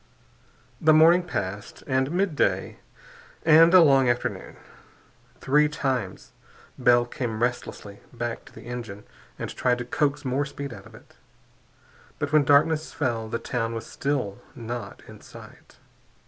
The morning passed, and midday, and a long afternoon. Three times Bell came restlessly back to the engine and tried to coax more speed out of it. But when darkness fell the town was still not in sight.